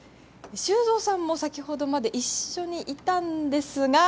修造さんも先ほどまで一緒にいたんですが。